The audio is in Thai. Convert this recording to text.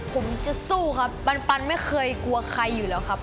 ผมจะสู้ครับปันไม่เคยกลัวใครอยู่แล้วครับ